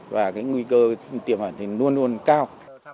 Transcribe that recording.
và cái nguy cơ tiềm ẩn thì luôn luôn cao